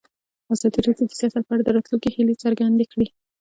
ازادي راډیو د سیاست په اړه د راتلونکي هیلې څرګندې کړې.